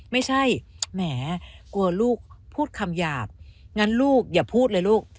แหมกลัวลูกพูดคำหยาบงั้นลูกอย่าพูดเลยลูก